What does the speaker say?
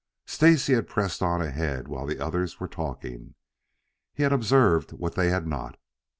Stacy had pressed on ahead while the others were talking. He had observed what they had not.